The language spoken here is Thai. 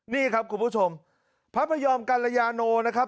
นี่ครับคุณผู้ชมพระพยอมกัลยาโนนะครับ